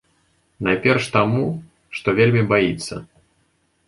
Найперш таму, што вельмі баіцца.